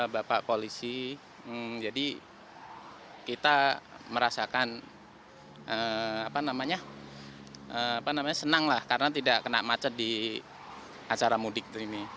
bapak polisi jadi kita merasakan senanglah karena tidak kena macet di acara mudik ini